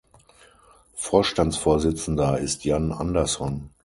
Vorstandsvorsitzender ist Jan Andersson.